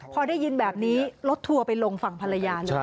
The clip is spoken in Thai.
พอได้ยินแบบนี้รถทัวร์ไปลงฝั่งภรรยาเลย